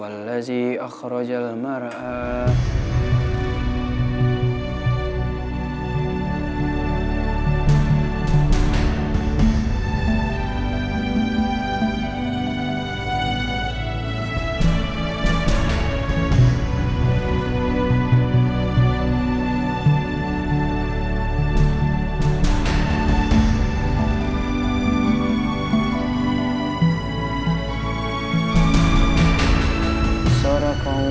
aku ngerti akur di jalan dibawah ruang terkini